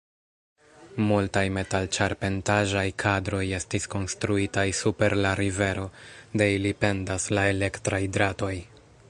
Multaj metal-ĉarpentaĵaj kadroj estis konstruitaj super la rivero; de ili pendas la elektraj dratoj.